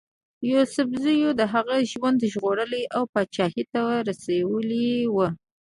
یوسفزیو د هغه ژوند ژغورلی او پاچهي ته رسولی وو.